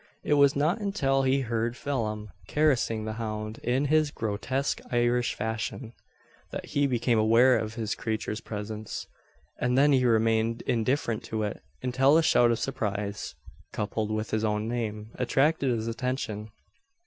It was not until he heard Phelim caressing the hound in his grotesque Irish fashion, that he became aware of the creature's presence. And then he remained indifferent to it, until a shout of surprise, coupled with his own name, attracted his attention.